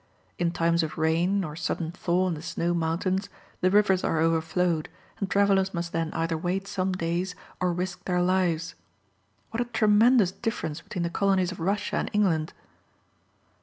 In time of rain, or sudden thaw in the snow mountains, the rivers are overflowed, and travellers must then either wait some days or risk their lives. What a tremendous difference between the colonies of Russia and England!